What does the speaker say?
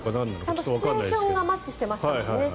ちゃんとシチュエーションがマッチしてますよね。